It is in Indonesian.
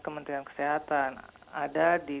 kementerian kesehatan ada di